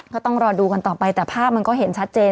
ก็ต้องรอดูกันต่อไปแต่ภาพมันก็เห็นชัดเจน